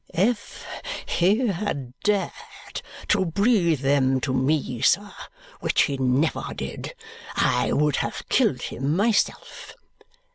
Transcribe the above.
"If he had dared to breathe them to me, sir which he never did I would have killed him myself!"